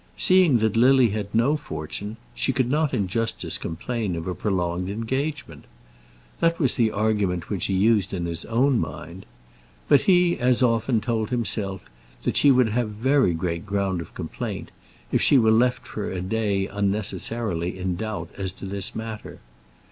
Seeing that Lily had no fortune, she could not in justice complain of a prolonged engagement. That was the argument which he used in his own mind. But he as often told himself that she would have very great ground of complaint if she were left for a day unnecessarily in doubt as to this matter.